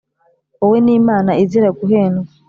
wowe n'imana izira guhendwa